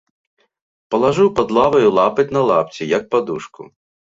Палажыў пад лаваю лапаць на лапці, як падушку.